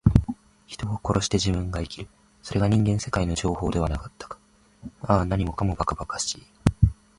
人を殺して自分が生きる。それが人間世界の定法ではなかったか。ああ、何もかも、ばかばかしい。